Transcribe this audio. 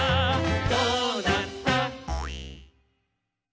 「どうなった！」